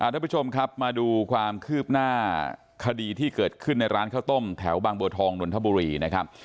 ทุกผู้ชมครับมาดูความคืบหน้าคดีที่เกิดขึ้นในร้านข้าวต้มแถวบางบัวทองนนทบุรีนะครับ